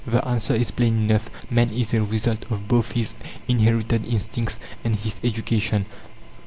The answer is plain enough. Man is a result of both his inherited instincts and his education.